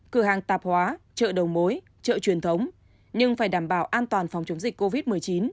cửa hàng tạp hóa chợ đầu mối chợ truyền thống nhưng phải đảm bảo an toàn phòng chống dịch covid một mươi chín